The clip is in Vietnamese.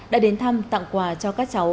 đã đến thăm tặng quà cho các cháu